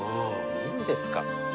いいんですか？